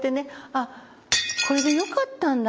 あこれで良かったんだ